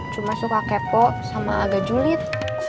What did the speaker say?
cuma suka kepo sama agak julid